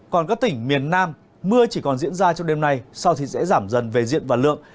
còn các tỉnh miền nam mưa chỉ còn diễn ra trong đêm nay sau thì sẽ giảm dần về diện và lượng